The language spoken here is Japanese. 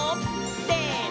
せの！